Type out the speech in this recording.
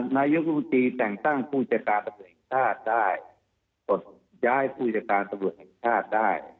นายกุฎีแส่งตั้งผู้จัดการตำรวจแห่งชาติได้